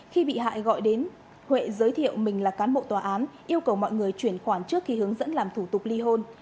thị hoài gọi đến huệ giới thiệu mình là cán bộ tòa án yêu cầu mọi người chuyển khoản trước khi hướng dẫn làm thủ tục ly hôn